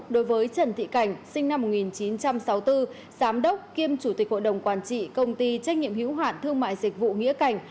đối với trần thị cảnh sinh năm một nghìn chín trăm sáu mươi bốn giám đốc kiêm chủ tịch hội đồng quản trị công ty trách nhiệm hiếu hạn thương mại dịch vụ nghĩa cảnh